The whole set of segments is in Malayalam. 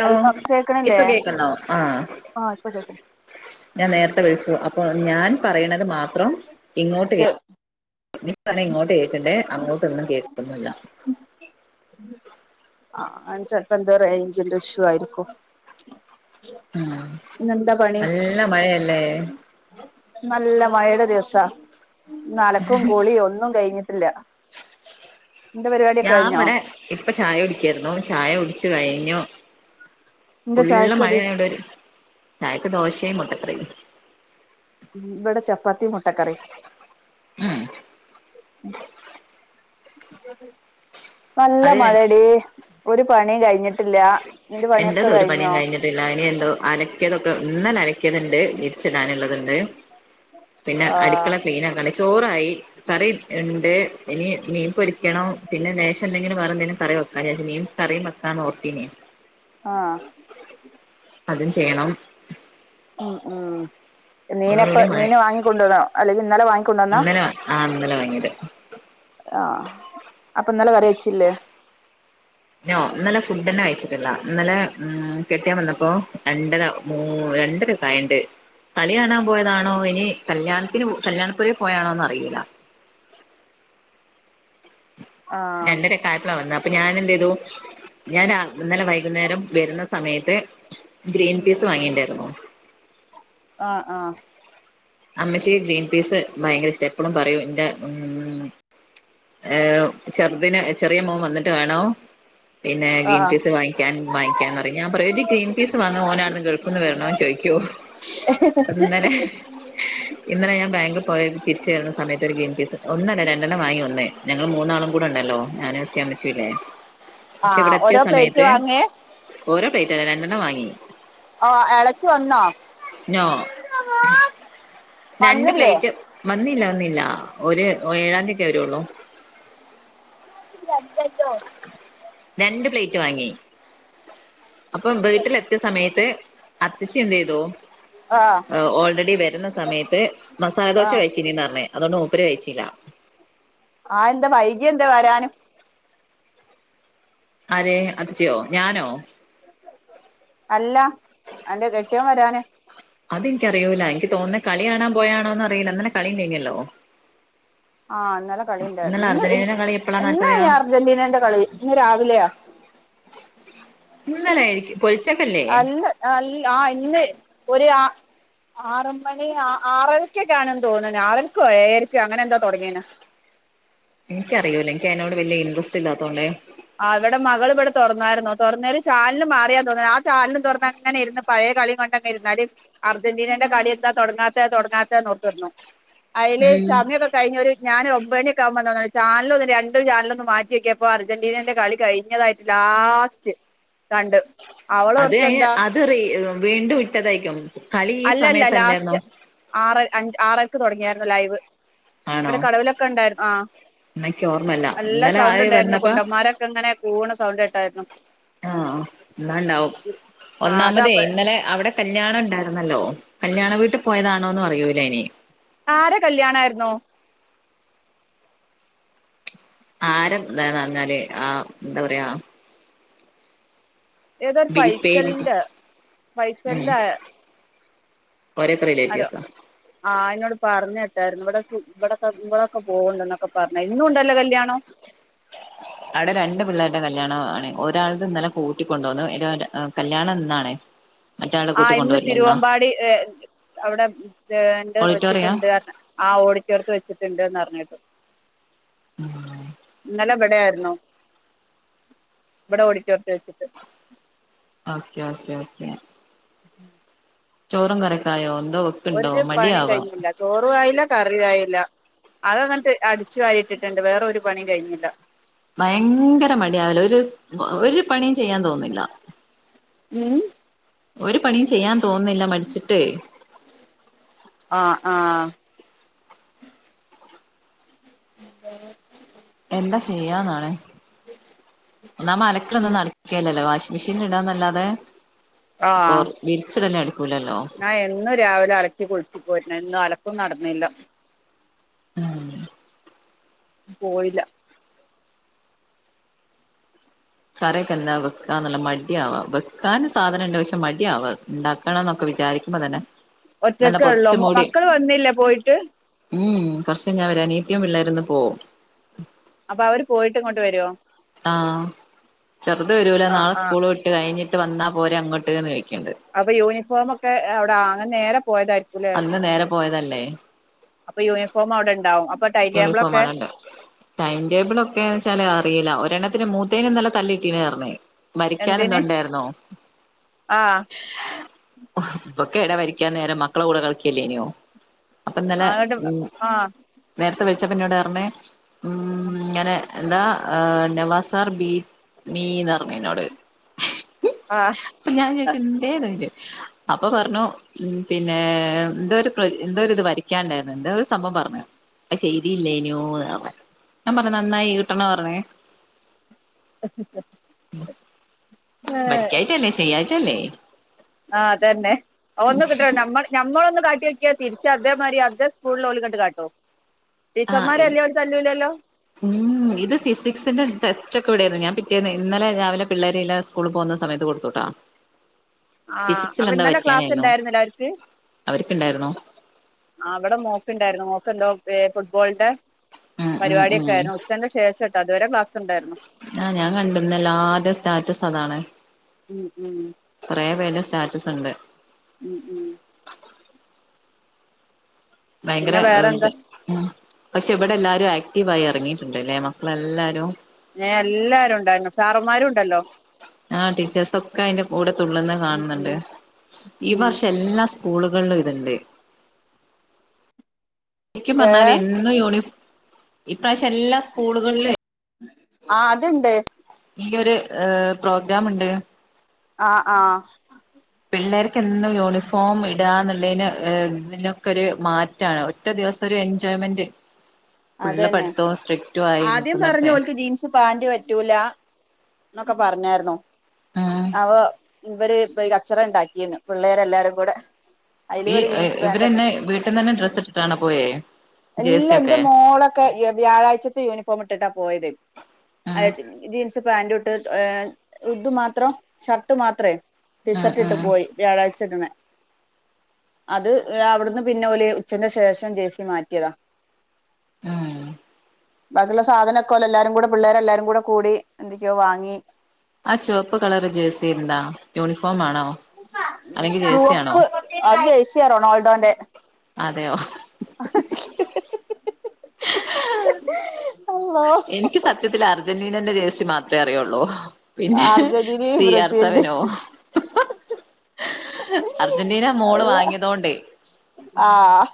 ഹലോ ഇപ്പൊ കേക്കുന്നോ ആഹ ആഹ് ഇപ്പൊ കേക്ക്ണ്ട് ഞാൻ നേരത്തെ വിളിച്ചു അപ്പൊ ഞാൻ പറയണത് മാത്രം ഇങ്ങോട്ട് കേ നീ പറഞ്ഞ ഇങ്ങോട്ട് കേക്ക്ണ്ട് അങ്ങോട്ടൊന്നും കേൾക്കുന്നില്ല ആഹ് അ ചേലപ്പോ എന്തോ റേഞ്ചിന്റെ ഇഷ്യു ആയിരിക്കും മ് ഇന്നെന്താ പണി നല്ല മഴയല്ലേ? നല്ല മഴയുടെ ദിവസാ ന്ന് അലക്കും കുളിയൊന്നും കഴിഞ്ഞിട്ടില്ല നിന്റെ പരിപാടിയൊക്കെ ഞാൻ കഴിഞ്ഞോ ഇവിടെ ഇപ്പൊ ചായ കുടിക്കായിരുന്നു ചായ കുടിച്ചു കഴിഞ്ഞു എന്താ ഫുൾ ചായക്കടി മഴയായോണ്ട് ചായക്ക് ദോശയും മുട്ടക്കറിയും ഇവിടെ ചപ്പാത്തി മുട്ടക്കറി ഉം നല്ല അത് മഴടീ ഒരു പണി കഴിഞ്ഞിട്ടില്ല നിന്റെ പണിയൊക്കെ കഴിഞ്ഞോ? ബിലാനി എന്ത അലക്കിയതൊക്കെ ഇന്നലെ അലക്കിയതുണ്ട് വിരിച്ചെടാനുള്ളതുണ്ട് ണ്ട് പിന്നെ ആഹ് അടുക്കള ക്ലിനാക്കാനുണ്ട് ചോറായി കറി ഇണ്ട് ഇനി മീൻ പൊരിക്കണം പിന്നെ ലേശം എന്തെങ്കിലും വേറെ എന്തെങ്കിലും കറി വെക്കാരാച്ച് മീൻ കറിയ വെക്കാൻ ഓർത്തിനിയെ ആഹ് അതും ചെയ്യണം ഉം ഉം മീനപ്പ അതോടുകൂടി മഴ മീന് വാങ്ങിക്കൊണ്ടുവന്നോ അല്ലെങ്കിൽ ഇന്നലെ വാങ്ങിക ഇന്നലെ വാങ്ങി ആ ഇന്നലെ വാങ്ങീത് ആഹ അപ്പൊ ഇന്നലെ കറി വേച്ചില്ലേ? നോ. ഇന്നലെ ഫുഡന്നെ കയിച്ചിട്ടില്ല ഇന്നലെ ഉം കെട്ടിയോൻ വന്നപ്പോ രണ്ടര മൂ രണ്ടര കണ്ട് കളി കാണാൻ പോയതാണോ ഇനി കല്യാണത്തിന് കല്യാണപ്പുരെ പോയതാണോ അറീല ആഹ് രണ്ടരക്കായ വന്ന അപ്പൊ ഞാൻ എന്ത് ചെയ്തു ഞാൻ രാ ഇന്നലെ വൈകുന്നേരം വരുന്ന സമയത്ത് ഗ്രീൻ പീസ് വാങ്ങിയിണ്ടായിരുന്നു ആഹ ആഹ അമ്മച്ചി ഗ്രീൻ പീസ് ഭയങ്കര ഇഷ്ട എപ്പോളും പറയും എന്റെ ഉ ഏ് ചെറ്ദ്നെ ചെറിയ മോൻ വന്നിട്ട് വേണോ പിന്നെ ഗ്രീൻ ആഹ് പീസ് വാങ്ങിക്കാൻ വാങ്ങിക്കാന്ന് പറയും ഞാൻ പറയും ഒരു ഗ്രീൻ പീസ് വാങ്ങിക്കാൻ ഓാനടുന്ന് ഗൾഫിൽ നിന്ന് വരണോ ചോയികും [unintelligible] അപ്പൊ ഇന്നലെ ഇന്നലെ ഞാൻ ബാങ്ക് പോയ തിരിച്ച വരുന്ന സമയത്ത് ഒരു ഗ്രീൻപീസ് ഒന്നല്ല രണ്ടെണ്ണം വാങ്ങി വന്നേ, ഞങ്ങൾ മൂന്നാളും കൂടെ ഉണ്ടല്ലോ ഞാൻ അച്ചു അമ്മച്ചി ഇല്ലേ പക്ഷെ ആഹ് ഇവിടെ എത്തിയ ഓരോ പ്ലേറ്റ് സമയത്ത് വാങ്ങിയേ ഓരോ പ്ലേറ്റ് അല്ല രണ്ടെണ്ണം വാങ്ങി ഓ എളച്ചി വന്നോ? നോ രണ്ട് വന്നില്ലേ പ്ലേറ്റ് വന്നില്ല വന്നില്ല ഒരു ഏഴാം തിയൊക്കെ വരള്ളൂ [unintelligible] രണ്ട് പ്ലേറ്റ് വാങ്ങി അപ്പൊ വീട്ടിലെത്തിയ സമയത്ത് അത്തിച്ചി എന്ത് ചെയ്തു ആഹ് ഓൾറെഡി വരുന്ന സമയത്ത് മസാല ദോശ ആഹ് കഴിച്ച ചിനീന്നഅർഞ്ഞു അതൊണ്ട് മൂപ്പര് കഴിച്ചില്ല ആ എന്താ വൈകി എന്താ വരാൻ ആര് അച്ചയോ ഞാനോ അല്ല അന്റെ കെട്ടിയോൻ വരാന് അതെനിക്ക് അറിയൂല്ല എനിക്ക് തോന്നുന്നെ കളി കാണാ പോയാണോന്ന് അറിയില്ല ഇന്നലെ കളി ഉണ്ടായിനല്ലോ ആഹ് ഇന്നലെ കളി ഇന്നലെ ഇണ്ടായിരുന്നു ഇന്ന് അർജന്റീനയുടെ കളി എപ്പളാന്ന് ആർക്കറിയാ ഇന്നേനി അർജൻ്റീനേന്റെ കളി ഇന്ന് രാവിലെയാ ഇന്നലെ ആയിരിക്കും പൊലച്ചക്കല്ലേ അല്ല അല്ല ആഹ് ഇന്ന് ഒര് ആ ആറ് മണി ആഹ് ആറരയ്ക്കൊക്കെ ആണ് തോന്നണ് ആറരയ്‌ക്കോ ഏഴരക്കോ അങ്ങനെ എന്തോ തൊടങ്ങീണ് എനിക്കറിയൂല്ല എനിക്ക് അതിനോട് വല്യ ഇൻട്രസ്റ്റ് ഇല്ലാത്തോണ്ട് ആഹ് ഇവിടെ മകള് ഇവിടെ തൊറന്നായിരുന്നു തൊറന്നൊരു ചാനല് മാറിയാ തോന്ന് ആ ചാനലും തൊറന്നങ്ങനെ ഇര് പഴയ കളി കണ്ടങ്ങ് ഇരുന്നാല് അർജന്റീനെന്റെ കളി എന്താ തൊടങ്ങാത്തെ തൊടങ്ങാത്തെ [unintelligible] അയില് ഉം സമയൊക്കെ കഴിഞ്ഞ് ഒര് ഞാന് ഒമ്പ മണിയൊക്കെ ആകുമ്പോ എന്താന്നോ ചാനല് ഒന്ന് രണ്ടും ചാനലൊന്ന് മാറ്റി നോക്കിയപ്പോ അർ അർജന്റീനന്റെ കളി കഴിഞ്ഞതായിട്ട് ലാസ്റ്റ് കണ്ട് അത് അയിന് അവളോർത്തെന്താ അത് റീ വീണ്ടും ഇട്ടതായിരിക്കും കളി ഈ സമയത്തല്ലായിരുന്നോ ആറര അഞ്ച് ആറരക്ക് തൊടങ്ങിയായിരുന്നു ലൈവ് ആണോ ഇവിടെ കടവിലൊക്കെ ഇണ്ടായിരുന്നു ആഹ് എനിക്ക് ഓർമ്മല്ല നല്ല ഇന്നലെ സൗണ്ട് അത് ഇണ്ടായിരുന്നു വന്നപ്പോ കുണ്ടന്മാരൊക്കെ ഇങ്ങനെ കൂവണ സൗണ്ട് കേട്ടായിരുന്നു ആഹ് ആഹ് ഇന്നാണ്ടാവും ആ അതാ ഒന്നാമതേ ഇന്നലെ അവിടെ കല്യാണം ഇണ്ടായിരുന്നല്ലോ കല്യാണ വീട്ട് പോയതാണോന്ന് അറിയൂല ഇനി ആരെ കല്യാണായിരുന്നു? ആരെ ഇതാന്ന് പറഞ്ഞാല് ആഹ് എന്താ പറയാ ഏതോരു ബിരിപ്പേരി ഫൈസലിന്റെ ഫൈസലിൻ്റെ ഒരൊക്കെ റിലേറ്റീവ്സ് ആണ് ആഹ് ഇന്നോട് പറഞ്ഞ കേട്ടായിരുന്നു ഇവിടെ ഇവിടെക്കെ ഇവിടെക്കെ പോവണ്ട്ന്നൊക്കെ പറഞ്ഞ ഇന്നും ഇണ്ടല്ലോ കല്യാണം അവിടെ രണ്ട് പിള്ളേരുടെ കല്യാണ ആണ് ഒരാളത് ഇന്നലെ കൂട്ടിക്കൊണ്ട് വന്നു ഇനി ഓൻ്റെ കല്യാണം ഇന്നാണ് മറ്റാളെ ആ ഇന്ന് കൂട്ടിക്കൊണ്ടുവരില്ലെന്നാ തിരുവമ്പാടി ഏഹ് അവിടെ എന്റെ ഓഡിറ്റോറിയാ വെച്ചിട്ടുണ്ട് പറഞ്ഞ് ആഹ് ഓഡിറ്റോറിയത്ത് വെച്ചിട്ടുണ്ട്ന്ന് പറഞ്ഞ കേട്ടു ഉം ഇന്നലെ ഇടയായിരുന്നു ഇവടെ ഓഡിറ്റോറിയത്ത് വെച്ചിട്ട് ഓക്കെ ഓക്കെ ഓക്കെ ഉ ചോറും കറിയൊക്കായോ എന്തോ വെക്കുണ്ടോ ഒരു പണിയും മടിയാവാ കഴിഞ്ഞില്ല ചോറു ആയില്ല കറിയു ആയില്ല അകങ്ങിട്ട് അടിച്ചു വാരിട്ടിട്ടുണ്ട് വേറെ ഒരു പണിയും കഴിഞ്ഞില്ല ഭയങ്കര മടിയാവലാ ഒരു ഒരു പണിയും ചെയ്യാൻ തോനുന്നില്ല ഉം ഒരു പണിയും ചെയ്യാൻ തോനുന്നില്ല മടിച്ചിട്ടെ ആഹ് ആഹ് ഉ എന്താ ചെയ്യാന്നാണ് ഇന്നാ മലക്കലൊന്നും നടക്കേ ഇല്ലല്ലോ വാഷിംഗ് മെഷീനീൽ ഇടാന്നല്ലാതെ ഇപ്പൊ വിരിച്ചിടല് നടക്കൂലല്ലോ ഞാ എന്നും രാവിലെ അലക്കി കുളിച്ച് പോരണാ ഇന്ന് അലക്കും നടന്നില്ല ഉം പോയില്ല കറിയൊക്കെ എന്താ വെക്കാന്നുള്ള മടിയാവാ വെക്കാൻ സാധനണ്ട് പക്ഷെ മടിയാവാ ഇണ്ടാക്കാ ക്കണംന്നൊക്കെ വിചാരിക്കുമ്പോ തന്നെ നല്ല ഒറ്റക്കെ ഇള്ളോ പൊതച്ചു മോ മൂടി മക്കൾ വന്നില്ല പോയിട്ട് ഉം കൊറച്ച് കയിഞ്ഞാ വരും അനിയത്തീം പിള്ളേരും ഇന്ന് പോവും അപ്പ അവര് പോയിട്ട് ഇങ്ങോട്ട് വരുവോ ആഹ് ചെറുത് വരൂലാ ആഹ് നാളെ ആഹ് സ്കൂള് വിട്ട് കഴിഞ്ഞിട്ട് വന്നാ പോരെ അങ്ങട്ട്ന്ന് ചോദിക്കണ്ട് അപ്പൊ യൂണിഫോമൊക്കെ അവിടെ അങ്ങനെ നേരെ പോയതായിരിക് അന്ന് നേരെ പോയതല്ലേ? അപ്പ യൂണിഫോമ് അവിടെണ്ടാവും അപ്പ യൂണിഫോം ടൈംടേബിളൊക്കെ ആണല്ലേ ടൈം ടേബിള് ഒക്കേന്ന് വെച്ചാല് അറിയില്ല ഒരെണ്ണത്തിന് മൂത്തേന് ഇന്നല തല്ല് കിട്ടീന്ന് പറഞ്ഞ് മരിക്കാൻ എന്തിന് എന്തോണ്ടായിരുന്നു ആഹ് ഉപ്പെക്ക് എടേ മരിക്കാൻ നേരം മക്കള കൂടെ കളിക്കല്ലേനിയൊ അപ്പ ഇന്നലെ അങ്ങോട്ട് ഉം ആഹ് നേരത്തെ വിളിച്ചപ്പ എന്നോട് പറഞ്ഞേ ഉം ഇങ്ങനെ എന്താ ആഹ് നവാസ് സാർ ബീ മീന്ന് പറഞ്ഞു എന്നോട് ആഹ് അപ്പൊ ഞാൻ [unintelligible] എന്തേ ചോദിച്ചു അപ്പൊ പറഞ്ഞു ഉം പിന്നെ എന്തോ ഒരു പ്ര എന്തോ ഒരു ഇത് വരയ്ക്കാണ്ടായിരുന്നു എന്തോ ഒരു സംഭവം പറഞ്ഞു അത് ശെരിയില്ലേനു ഞാൻ പറഞ്ഞ് നന്നായി കിട്ടണേ പറഞ്ഞേ ഉം ബെറ്റായിട്ടല്ലേ ചെയ്യാഞ്ഞിട്ടല്ലേ ആഹ് അതന്നെ ഒന്ന് കിട്ടണ നമ്മള് ഞമ്മളൊന്ന് കാട്ടി നോക്കിയാ തിരിച്ച് അതേ മാരീ അതേ സ്കൂളില് ഓല് ഇങ്ങട്ട് കാട്ടും ആഹ് ടീച്ചറന്മാറ് ഇത് തല്ലിയാ ഓല് തല്ലൂലല്ലോ ഉം ഇത് ഫിസിക്സിന്റെ ടെസ്‌റ്റൊക്കെ ഇവിടേരുന്നു ഞാൻ പിറ്റേന്ന് ഇന്നലെ രാവിലെ പിള്ളേരെല്ലാം സ് സ്കൂളില് പോകുന്ന സമയത്ത് കൊടുത്തൂട്ടാ ആഹ് അപ്പൊ ഇന്നല ക്ലാസ്സ് ഇണ്ടായിരുന്നില്ല അവർക്ക് അവർക്കുണ്ടായിരുന്നു അവിടെ മോക്കുണ്ടായിരുന്നു മോക്കെന്തോ ഫുട്ബോളിന്റെ ഉം ഉം പരിപാടിയൊക്കെ ഉം ആയിരുന്നു [unintelligible] ശേഷട്ടോ അതുവരെ ക്ളാസ് ആഹ് ഞാൻ കണ്ട് ഇന്ന് എല്ലാർടേം സ്റ്റാറ്റസ് അതാണ് ഉം ഉം കൊറെ പേര്ടെ സ്റ്റാറ്റസ് കണ്ട് ഉം ഉം ഭയങ്കര പിന്നെ വേറെന്താ [unintelligible] ഉം പക്ഷെ ഇവിടെ എല്ലാരും ആക്റ്റീവായി എറങ്ങിയിട്ടുണ്ടല്ലേ മക്കളെല്ലാരും [unintelligible] എല്ലാരും ഉണ്ടായിരുന്നു സാറന്മാരും ഉണ്ടല്ലോ ആഹ് ടീച്ചേഴ്‌സ് ഒക്ക അയിന്റെ കൂടെ തുള്ളുന്ന ഉം കാണുന്ന്ണ്ട് ഉം ഈ ഉം വർഷം എല്ലാ സ് സ്കൂളുകളിലും ഇതുണ്ടേ ശരിക്കും ഏ പറഞ്ഞാല് എന്നും യൂണിഫോ ഇപ്രാവശ്യം എല്ലാ സ്കൂളുകളിലുമേ ആഹ് അത്ണ്ട് ഈയൊരു ഏഹ് പ്രോഗ്രാമുണ്ട് ആഹ് ആഹ് പിള്ളേർക്ക് എന്നും യൂണിഫോം ഇടാ എന്നുള്ളേന് ഇതിനൊക്കൊരു മാ റ്റാണ് ഒറ്റ ദിവസം ഒരു എൻജോയ്മെന്റ് ഫുള്ള് അതന്നെ പഠിത്തവും സ്ട്രി ആദ്യം പറഞ്ഞു ഓൽക്ക് ജീൻസ് പാന്റ് പറ്റൂല എന്നൊക്കെ പറഞ്ഞാരുന്നു ഉം അപ്പൊ ഇവര് ഇപ്പൊ ഈ കച്ചറ ഇണ്ടാക്കിയെന്ന് പിള്ളേര് എല്ലാരും കൂടെ അതില് ഈ ഒരു ജീൻസ് പാന്റ് ഒക്കെ ഇവരന്നെ വീട്ടിന്നന്നെ ഡ്രസ്സ് ഇട്ടിട്ടാണ പോയേ ജെഴ്‌സി ഒക്കെ [unintelligible] വ്യാഴാഴ്‌ച്ചത്തെ യൂണിഫോമ് ഇട്ടിട്ടാ പോയത് ഉം ജീൻസ്‌ [unintelligible] പാന്റും ഇട്ട് ഏഹ് ഇത് മാത്രം ഷർട്ട് മാത്രേ ടി ഉം ഷർട്ട് ഇട്ട് ഉം പോയി വ്യാഴഴ്‌ച്ച ഇടണ് അത് അവിടുന്ന് പിന്നെ ഓല് ഉച്ചന്റെ ശേഷം ജെഴ്‌സി മാറ്റിയതാ മ്ഹ് ബാക്കിയുള്ള സാധനൊക്കൊലല്ല എല്ലാരും കൂടെ പിള്ളേരെല്ലാരും കൂടെ കൂടി എന്തൊക്കെയോ വാങ്ങി ആഹ് ചുവപ്പ് കളറ് ജേഴ്സി എന്താ യൂണിഫോം ആണോ മ്ഹ് അല്ലെങ്കിൽ ജേഴ്സി ആണോ ചുവപ്പ് അത് ജഴ്സിയ റൊണാൾഡോന്റെ അതെയോ [unintelligible] എനിക്ക് സത്യത്തിൽ അർജന്റീനന്റെ ജേഴ്സി മാത്ര അറിയുള്ളൂ പിന്നെ അർജന്റീനയും സീ ആർ ബ്രസീലിന്റെയും സെവനോ അർജന്റീന മോള് അള്ളാ വാങ്ങിയതോണ്ടേ ആഹ്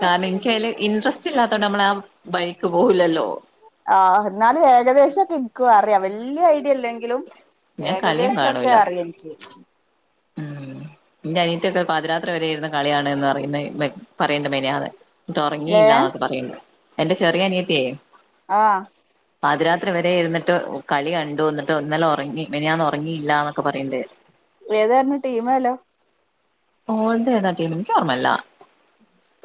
കാരണം എനിക്ക അതില് ഇന്റ്രസ്റ്റ് ഇല്ലാത്തതോണ്ട് നമ്മള ആ ബഴിക്ക് പോകൂല്ലല്ലോ ആഹ് ന്നാലും ഏകദേശം ഒക്കെ ഇൻക്കും അറിയാ വല്യയ ഐഡിയ ഇല്ലെങ്കിലും പിന്നെ കളിയും ഏകദേശം ക്കെ കാണൂല അറിയ ഇൻക്ക് ഇന്റെ അനിയത്തിക്കെ പാതിരാത്രി വരെെയിരുന്ന് കളിയാണ് ന്ന് പറയുന്ന് പറയ്ണ്ട് മിനിയാന്ന് ന്നട്ട് ഒറങ്ങില്ല ഏഹ് ന്നൊക്കെ പറയ്ണ്ട് എന്റെ ചെറിയ അനിയത്തിയേ ആഹ് പതിരാത്രി വരെ ഇരുന്നിട്ട് കളി കണ്ടു ന്നട്ട് ഇന്നലെ ഒറങ്ങി മിനിയാന്ന് ഒറങ്ങിയില്ലാന്നൊക്കെ പറയ്ണ്ട് ഏതായിരുന്നു ടീം മ് ല്ലോ ഓൾത് ഏതാ ടീമ് ഇന്ക്ക് ഓർമ്മല്ല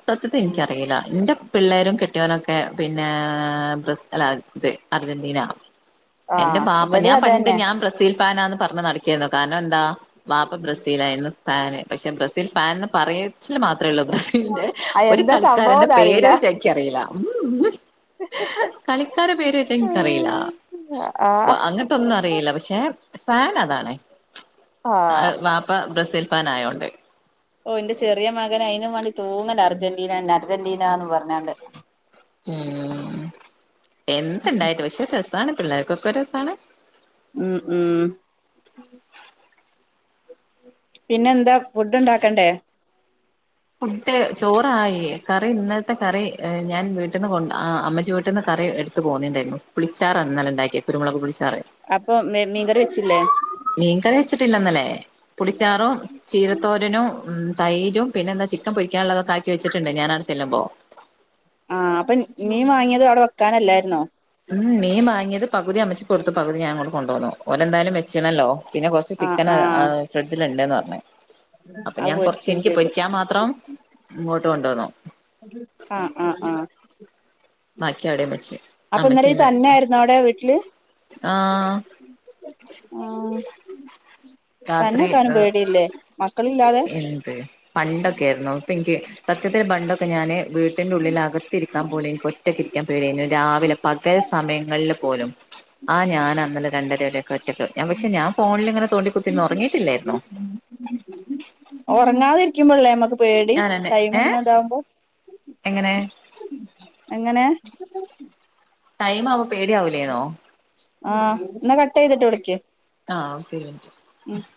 സത്യത്തിൽ ഉം ഇൻക്കറിയില്ല ന്റെ പിള്ളേരും കെട്ടിയോ നൊക്കെ പിന്നെ ബ്രസി അല്ല ഇത് അർജന്റീന എന്റെ ആഹ് പാപ്പ ഞാ ഇവിടെയും അത് പണ്ട് തന്നെ ഞാൻ ബ്രസീൽ പാനാ ന്ന് പറഞ്ഞ് നട കാരണം എന്താ ബാപ്പ ബ്രസീൽ യായിരുന്നു പാന് പക്ഷെ ബ്രസീൽ പാൻ ന്ന് പറയച്ചിൽ മാത്രേ ള്ളൂ ബ്രസീലിന്റെ ആ ഒരു എന്താ കളിക്കാരന്റെ സംഭവംന്ന് അറിയില്ല പേര് യ്ച്ചാ ഇ ക്യ റീല്ല കളിക്കാര പേര് യ്ച്ചാ ഇൻക്കറീല്ല ആഹ് അങ്ങൻ തൊന്നും അറിയില്ല പക്ഷെ ഫാൻ അതാണ് ആഹ് വാപ്പ ബ്രസീൽ പാൻ ആ യോ ണ്ട് ഓ ഇന്റെ ചെറിയെ മകൻ അയിനു വാണ്ടി തൂങ്ങല അർജന്റീന അർജന്റീനാ ന്നും പറ്ഞ്ഞാണ്ട് ഉം എന്ത്ണ്ടായിട്ട് പക്ഷെ രസാണ് പിള്ളേർക്കൊക്കെ രസാണ് ഉം ഉം പിന്നെ എന്താ ഫുഡ് ഉണ്ടാക്കണ്ടേ ഫുഡ് ചോറായി കറി ഇന്നൽത്തെ കറി ഞാൻ വി ട്ട്ന്ന് കൊ ആ അമ്മ ച്ചിവീട്ട്ന്ന് കറി എടുത്ത് പോന്നി ണ്ടേരുന്നു പുളിച്ചാറാ ഇന്നലെ ണ്ടാക്കിയെ കുരുമുളക് പുളിച്ചാറ് അപ്പൊ മീ മീങ്കറി വെച്ചില്ലേ മീൻകറി വച്ചിട്ടില്ല ഇന്നല്ലേ പുളിച്ചാറും ചീരത്തോരനും ഉം തൈരും പിന്നെന്താ ചിക്കൻ പൊരിക്കാൻള്ള തൊക്കെ ആക്കി വെച്ചിട്ടുണ്ടേഞാനാ ണ്ട്ചെല്ലുമ്പം ആഹ് അപ്പം മീൻ വാങ്ങിയത് അവിടെ വെക്കാനല്ലായിരുന്നോ മ് മീൻ വാങ്ങിയത് പകുതി അമ്മച്ചിക്ക് കൊടുത്തു പുകുതി ഞാൻ ങ്ങോട്ട് കൊണ്ടോന്നു ഓരെന്തായാലും വെച്ച് ണല്ലോ പിന്നെ കൊറച്ച് ആഹ് ചിക്കനാ ആഹ് ഹ് ഫ്രിഡ്ജില് ഇണ്ട്ന്ന് പറ്ഞ്ഞ് അപ്പൊ അത് ഞാൻ കൊറച്ച് പൊരിച്ചും എനിക്ക് ചെയ്തു പൊരിക്കാൻ മാത്രം ഇങ്ങോട്ട് കൊണ്ടോന്നു ആഹ്ആഹ് ആഹ് ബാക്കി അവിടെയും വെച്ച് അപ്പ ഇന്നര അമ്മച്ചി ഇയ്യ് ഇന്ന് തന്നൊയിരുന്നോ അവിടെ വീട്ടില് ആഹ് ആഹ് രാത്രി തന്നെക്കാനും പേടിയില്ലേ മക്കളില്ലാതെ പേ പണ്ടൊക്കെ ആയിരുന്നു ഇ പ്പം ഇൻക്ക് സത്യത്തിൽ പണ്ടൊ ക്കെ ഞാന് വീട്ടിന്റെ ഉള്ളിൽ അകത്തി രിക്കാ പോലെ ൻക്ക് ഒറ്റക്ക്ഇരിക്കാൻ പേടിയേ നി ങ്ങട്ട് രാവിലെ പ കൽ സമയങ്ങളിൽ പോലും ആ ഞാനാ ഇന്നലേ രണ്ടര വരൊക്കെ ഒറ്റക്ക് ഞാ പക്ഷെ ഞാൻ ഫോണിലിങ്ങനെ തോണ്ടി കുത്തിര്ന്നു ഒറങ്ങയിട്ടില്ലായിരുന്നു ഉറങ്ങാതെ ഇരിക്കുമ്പളല്ലേ നമ്മക്ക് പേടി ഞാനന്നെ ടൈം ഏ ഇങ്ങ ഇതാവുമ്പോ എങ്ങനെ എങ്ങനെ ടൈം മ് ആവ്മ്പം പേടിയാവൂല്ലേന്നോ ആഹ് ന്നാ കട്ട് ചെയ്തിട്ട് വിളിക്ക് ആഹ് ഓക്ക ഒര് മിന് റ്റ് ഉം